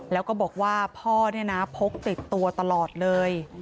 แล้วก็บอกว่าพ่อพกติดตัวตลอดเลย